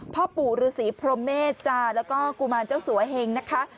พ่อปู่ฤษีพรมเมษจาแล้วก็กุมารเจ้าสัวเหงนะคะ